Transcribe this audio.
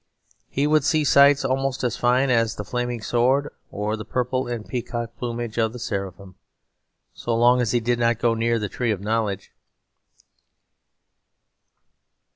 He would see sights almost as fine as the flaming sword or the purple and peacock plumage of the seraphim; so long as he did not go near the Tree of Knowledge.